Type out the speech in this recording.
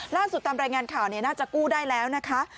ล่าสุดตามรายงานข่าวเนี่ยน่าจะกู้ได้แล้วนะคะ